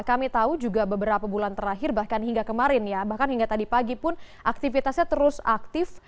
kami tahu juga beberapa bulan terakhir bahkan hingga kemarin ya bahkan hingga tadi pagi pun aktivitasnya terus aktif